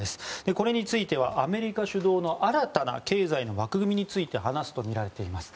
これについてはアメリカ主導の新たな経済の枠組みについて話すとみられています。